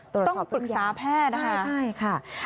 ต้องปรึกษาแพทย์นะคะ